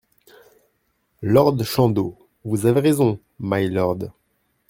Lord Chandos Vous avez raison, mylord.